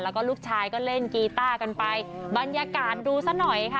แล้วก็ลูกชายก็เล่นกีต้ากันไปบรรยากาศดูซะหน่อยค่ะ